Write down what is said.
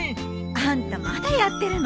あんたまだやってるの？